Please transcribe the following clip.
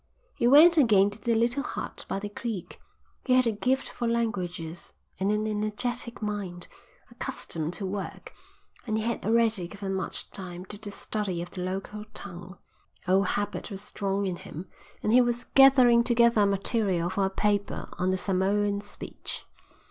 He went again to the little hut by the creek. He had a gift for languages and an energetic mind, accustomed to work, and he had already given much time to the study of the local tongue. Old habit was strong in him and he was gathering together material for a paper on the Samoan speech.